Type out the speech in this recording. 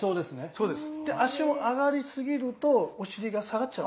そうです。